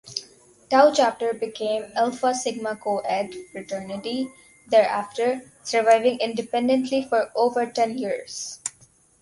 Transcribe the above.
Tau Chapter became Alpha Sigma Co-Ed Fraternity thereafter, surviving independently for over ten years.